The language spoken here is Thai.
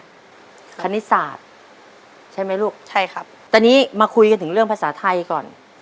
ทุกวันพรีมาถามคำกัดเรื่องภาษาไทยก่อน